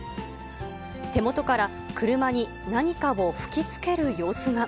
手元から車に何かを吹きつける様子が。